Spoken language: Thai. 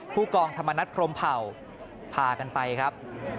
ผู้กองธรรมนัฐพรมเผ่าพากันไปครับ